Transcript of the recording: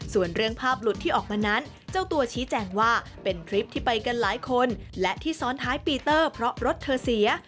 ส่วนเรื่องภาพหลุดที่ออกมานั้นเจ้าตัวชี้แจงว่าเป็นคลิปที่ไปกันหลายคนและที่ซ้อนท้ายปีเตอร์เพราะรถเธอเสีย